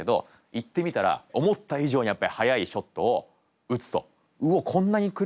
行ってみたら思った以上にやっぱり速いショットを打つと。